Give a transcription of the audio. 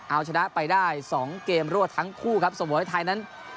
เอาชนะไปได้สองเกมรั่วทั้งคู่ครับสมมุมให้ไทยนั้น